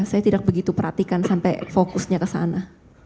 saya tidak begitu perhatikan sampai fokusnya ke sana